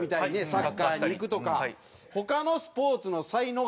サッカーにいくとか。